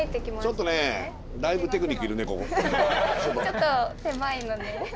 ちょっと狭いので。